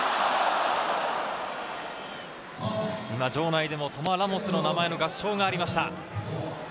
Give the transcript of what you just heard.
今、場内でもトマス・ラモスの名前の合唱がありました。